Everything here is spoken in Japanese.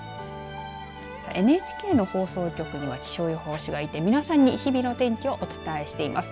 さあ、ＮＨＫの放送局には気象予報士がいて皆さんに日々の天気をお伝えしています。